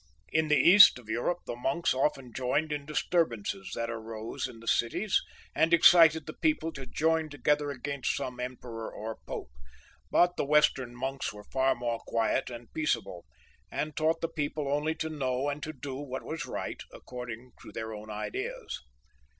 In the east of Eu;x)pe the monks often joined in disturbances that rose in the cities, and excited the people to join together against some emperor or pope, but the western monks were far more quiet and peaceable, and taught the people only to know and to do what was right, according to their own ideas.